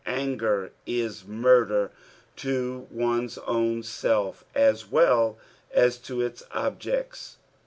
Anger is murder to one's owu self, as well as to its objects.